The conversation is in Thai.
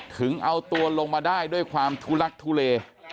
ถึงเอาตัวลงมาได้ด้วยความทุลักทุเล